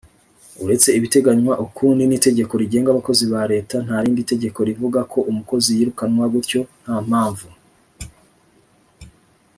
Uretse ibiteganywa ukundi n itegeko rigenga abakozi bal eta ntaridi tegeko rivugako umukozi yirukanwa gutyo ntampamvu.